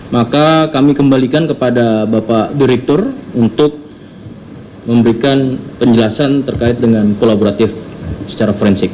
maka kami kembalikan kepada bapak direktur untuk memberikan penjelasan terkait dengan kolaboratif secara forensik